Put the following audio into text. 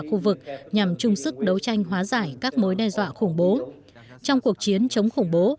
khu vực nhằm chung sức đấu tranh hóa giải các mối đe dọa khủng bố trong cuộc chiến chống khủng bố